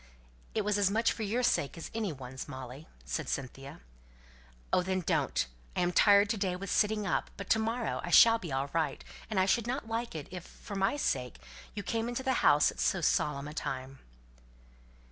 "It was as much for your sake as any one's, Molly," said Cynthia. "Oh, then, don't! I am tired to day with sitting up; but to morrow I shall be all right; and I should not like it, if, for my sake, you came into the house at so solemn a time."